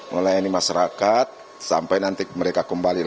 melayani masyarakat sampai nanti mereka kembali